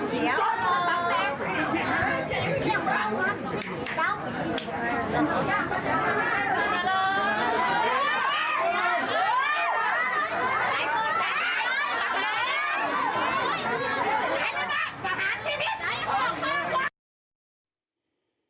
เยี่ยมมาก